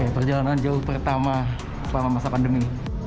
perjalanan jauh pertama selama masa pandemi